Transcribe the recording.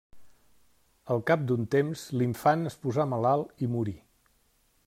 Al cap d'un temps, l'infant es posà malalt i morí.